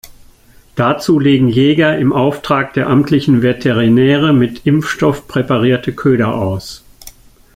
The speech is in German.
Dazu legen Jäger im Auftrag der amtlichen Veterinäre mit Impfstoff präparierte Köder aus.